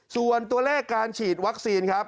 ส่วนตัวเลขการฉีดวัคซีนครับ